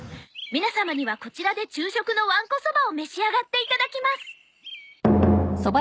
皆様にはこちらで昼食のわんこそばを召し上がっていただきます。